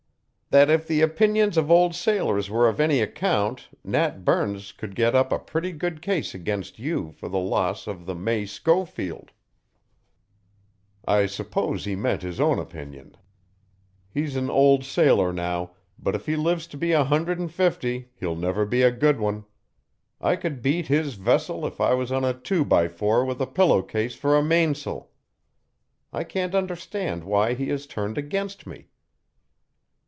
"That if the opinions of old sailors were of any account Nat Burns could get up a pretty good case against you for the loss of the May Schofield." "I suppose he meant his own opinion. He's an old sailor now, but if he lives to be a hundred and fifty he'll never be a good one. I could beat his vessel if I was on a two by four with a pillow case for a mains'l. I can't understand why he has turned against me."